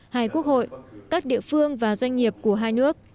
hai quốc hội các địa phương và doanh nghiệp của hai nước